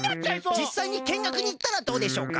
じっさいにけんがくにいったらどうでしょうか？